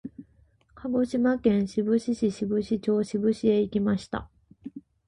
鹿児島県志布志市志布志町志布志へ行きました。